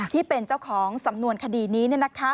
ที่เป็นเจ้าของสำนวนคดีนี้